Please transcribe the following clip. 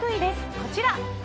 こちら。